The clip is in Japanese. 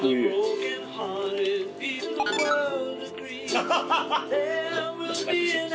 ハハハハ！